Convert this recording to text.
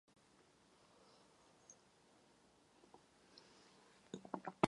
Ani jednu z nominací neproměnil.